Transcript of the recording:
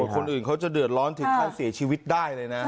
คนอื่นเขาจะเดือดร้อนถึงขั้นเสียชีวิตได้เลยนะ